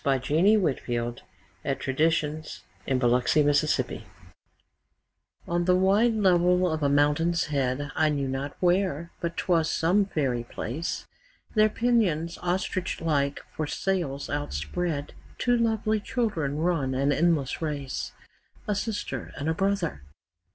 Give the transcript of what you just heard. Time, Real and Imaginary AN ALLEGORY ON the wide level of a mountain's head (I knew not where, but 'twas some faery place), Their pinions, ostrich like, for sails outspread, Two lovely children run an endless race, A sister and a brother!